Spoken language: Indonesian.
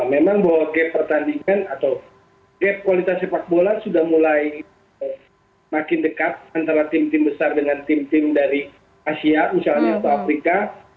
memang bahwa gap pertandingan atau gap kualitas sepak bola sudah mulai makin dekat antara tim tim besar dengan tim tim dari asia misalnya atau afrika